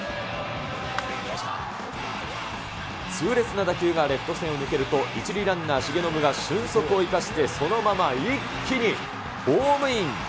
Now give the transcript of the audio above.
痛烈な打球がレフト線を抜けると、１塁ランナー、重信が俊足を生かして、そのまま一気にホームイン。